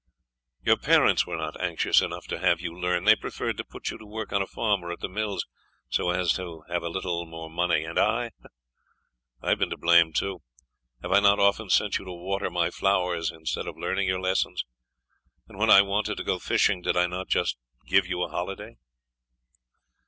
"Your parents were not anxious enough to have you learn. They preferred to put you to work on a farm or at the mills, so as to have a little more money. And I? I've been to blame also. Have I not often sent you to water my flowers instead of learning your lessons? And when I wanted to go fishing, did I not just give you a holiday?"